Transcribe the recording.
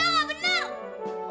enggak enggak bener